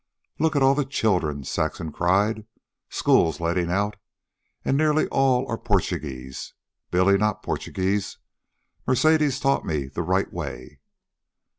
"Look at all the children!" Saxon cried. "School's letting out. And nearly all are Portuguese, Billy, NOT Porchugeeze. Mercedes taught me the right way."